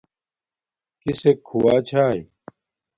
کسک کُھوا چھاݵ